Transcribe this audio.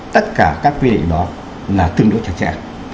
tất cả các quy định đó là tương đối chặt chẽ